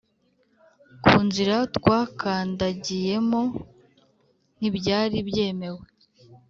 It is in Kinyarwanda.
ku nzira twakandagiyemo ntibyari byemewe